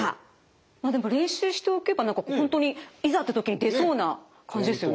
まあでも練習しておけば何か本当にいざって時に出そうな感じですよね。